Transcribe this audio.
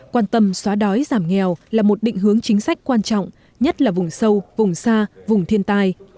quan tâm xóa đói giảm nghèo là một định hướng chính sách quan trọng nhất là vùng sâu vùng xa vùng thiên tai